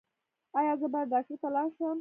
ایا زه باید ډاکټر ته لاړ شم؟